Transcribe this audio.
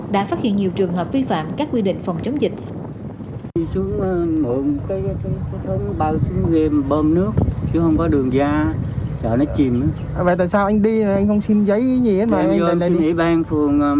đã phát hiện nhiều trường hợp vi phạm các quy định phòng chống dịch